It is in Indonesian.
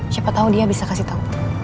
siapa tau dia bisa kasih tau